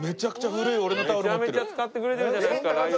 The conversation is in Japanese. めちゃめちゃ使ってくれてるじゃないですか。